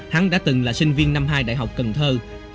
hắn đã từng là sinh viên năm hai đại học cần thơ